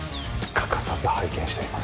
欠かさず拝見しています